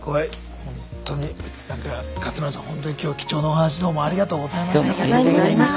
ほんとに今日は貴重なお話どうもありがとうございました。